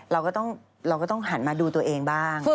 เราก็ต้องหันมาดูตัวเองบ้าง